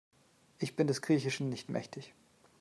Ich bin des Griechischen nicht mächtig.